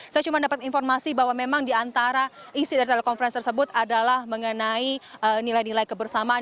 saya cuma dapat informasi bahwa memang diantara isi dari telekonferensi tersebut adalah mengenai nilai nilai kebersamaan